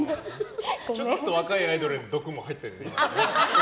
ちょっと若いアイドルへの毒も入ったよね。